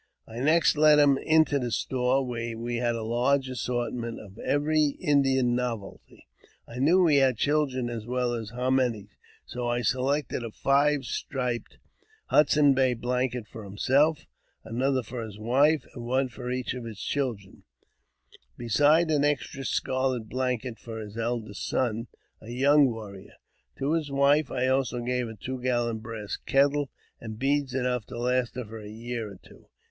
I next led hiinl into the store, where we had a large assortment of every*" Indian novelty. I knew he had children, as well as how many ; so I selected a five striped Hudson's Bay blanket for himself, another for his wife, and one for each of his children, besides an extra scarlet blanket for his eldest son, a young warrior. To his wife I also gave a two gallon brass kettle, and beads enough to last her for a year or two.